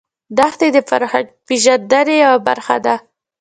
دښتې د فرهنګي پیژندنې یوه برخه ده.